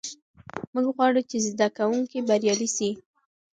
موږ غواړو چې زده کوونکي بریالي سي.